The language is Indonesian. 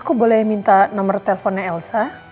aku boleh minta nomor teleponnya elsa